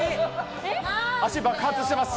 足、爆発してます。